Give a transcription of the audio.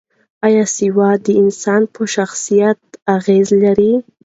ایا سواد د انسان په شخصیت اغېز لري؟